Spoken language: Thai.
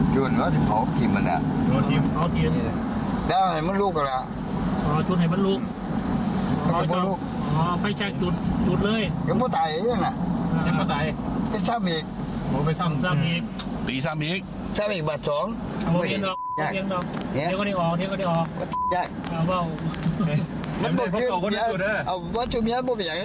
จุดเลย